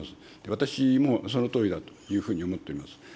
私もそのとおりだというふうに思っております。